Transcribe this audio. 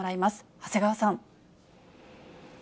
長谷川さん。